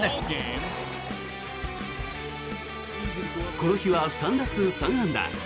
この日は３打数３安打。